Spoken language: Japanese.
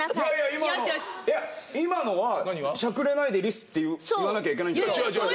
いや今のはしゃくれないで「リス」って言わなきゃいけない。